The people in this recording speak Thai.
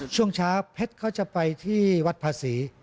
ช่วงเช้าเพชรเขาจะไปที่วัดภาษี